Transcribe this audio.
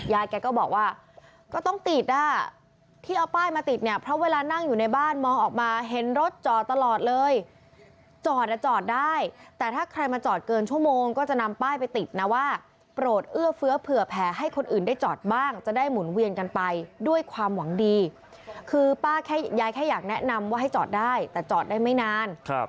ยายแกก็บอกว่าก็ต้องติดอ่ะที่เอาป้ายมาติดเนี่ยเพราะเวลานั่งอยู่ในบ้านมองออกมาเห็นรถจอดตลอดเลยจอดอ่ะจอดได้แต่ถ้าใครมาจอดเกินชั่วโมงก็จะนำป้ายไปติดนะว่าโปรดเอื้อเฟื้อเผื่อแผลให้คนอื่นได้จอดบ้างจะได้หมุนเวียนกันไปด้วยความหวังดีคือป้าแค่ยายแค่อยากแนะนำว่าให้จอดได้แต่จอดได้ไม่นาน